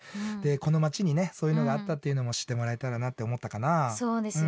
この街にねそういうのがあったっていうのも知ってもらえたらなと思ったかな。